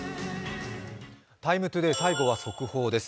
「ＴＩＭＥ，ＴＯＤＡＹ」最後は速報です。